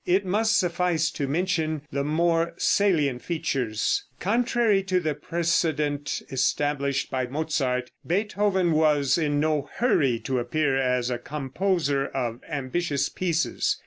It must suffice to mention the more salient features. Contrary to the precedent established by Mozart, Beethoven was in no hurry to appear as a composer of ambitious pieces.